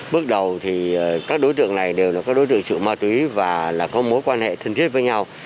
bước đầu thì các đối tượng này đều là các đối tượng chịu ma túy và có mối quan hệ thân thiết với nhau